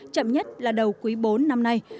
chậm nhất là đầu cuối bốn năm nay